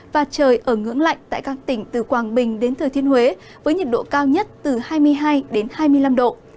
và trời ở ngưỡng lạnh tại các tỉnh từ quảng bình đến thừa thiên huế với nhiệt độ cao nhất từ hai mươi hai đến hai mươi năm độ